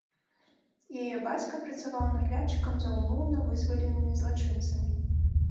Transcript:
Яе бацька працаваў наглядчыкам за ўмоўна вызваленымі злачынцамі.